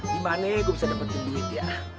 dimana gue bisa dapetin duit ya